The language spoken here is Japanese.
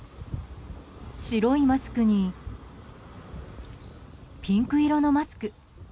白いマスクにピンク色のマスク。